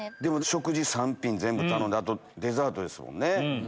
食事３品全部頼んであとデザートですもんね。